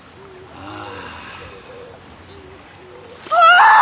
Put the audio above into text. ああ。